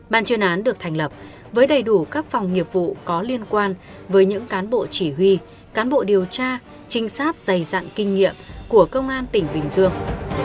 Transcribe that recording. ban chuyên án được thành lập với đầy đủ các phòng nghiệp vụ có liên quan với những cán bộ chỉ huy cán bộ điều tra trinh sát dày dặn kinh nghiệm của công an tỉnh bình dương